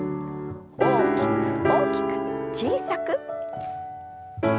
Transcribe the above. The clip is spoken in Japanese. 大きく大きく小さく。